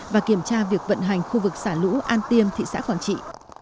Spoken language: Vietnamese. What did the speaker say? và kiểm tra việc vận hành khu vực xả lũ an tiêm thị xã quảng trị